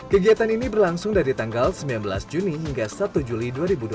kegiatan ini berlangsung dari tanggal sembilan belas juni hingga satu juli dua ribu dua puluh